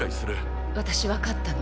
私分かったの。